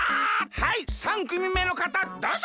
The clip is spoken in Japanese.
はい３くみめのかたどうぞ！